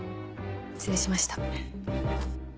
失礼しました。